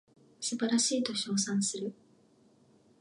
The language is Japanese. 素晴らしいと称賛する